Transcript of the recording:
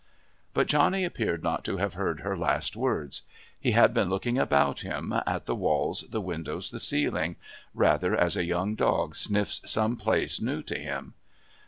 But Johnny appeared not to have heard her last words. He had been looking about him, at the walls, the windows, the ceiling rather as a young dog sniffs some place new to him.